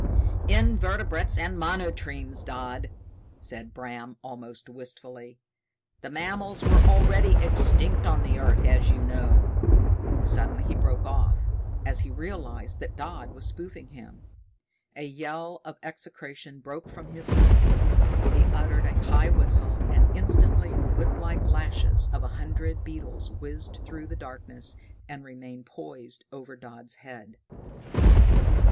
"Invertebrates and monotremes, Dodd," said Bram, almost wistfully. "The mammals were already existent on the earth, as you know " Suddenly he broke off, as he realized that Dodd was spoofing him. A yell of execration broke from his lips. He uttered a high whistle, and instantly the whiplike lashes of a hundred beetles whizzed through the darkness and remained poised over Dodd's head.